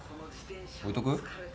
置いとく？